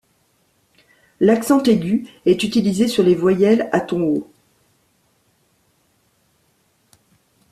L’accent aigu est utilisé sur les voyelles à ton haut.